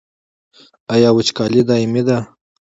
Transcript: آیا وچکالي دایمي ده؟